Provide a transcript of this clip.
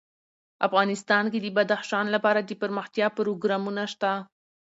افغانستان کې د بدخشان لپاره دپرمختیا پروګرامونه شته.